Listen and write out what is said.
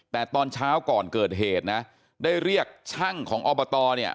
แต่ตอนเช้าก่อนเกิดเหตุนะได้เรียกช่างของอบตเนี่ย